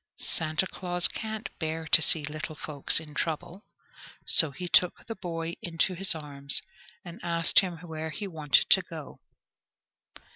Santa Claus can't bear to see little folks in trouble, so he took the boy into his arms, and asked him where he wanted to go.